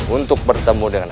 untuk bertemu dengan